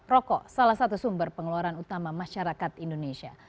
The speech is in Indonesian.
rokok salah satu sumber pengeluaran utama masyarakat indonesia